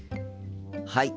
はい。